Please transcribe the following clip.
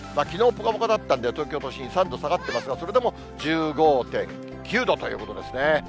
きのう、ぽかぽかだったんで、東京都心３度下がってますが、それでも１５．９度ということですね。